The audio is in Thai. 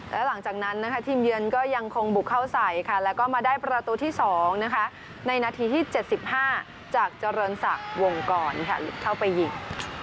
แล้วหลังจากนั้นนะคะทีมเยือนก็ยังคงบุกเข้าใส่ค่ะแล้วก็มาได้ประตูที่๒ในนาทีที่๗๕จากเจริญศักดิ์วงกรหลุดเข้าไปยิง